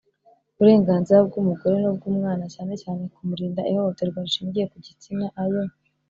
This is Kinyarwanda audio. Burenganzira bw umugore n ubw umwana cyane cyane kumurinda ihohoterwa rishingiye ku gitsina ayo